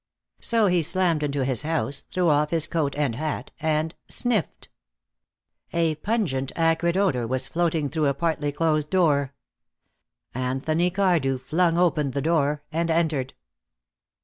So he slammed into his house, threw off his coat and hat, and sniffed. A pungent, acrid odor was floating through a partly closed door. Anthony Cardew flung open the door and entered.